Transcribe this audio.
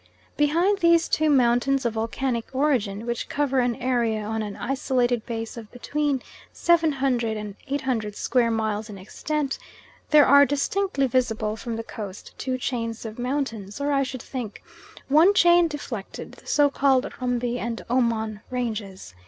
Behind these two mountains of volcanic origin, which cover an area on an isolated base of between 700 and 800 square miles in extent, there are distinctly visible from the coast two chains of mountains, or I should think one chain deflected, the so called Rumby and Omon ranges.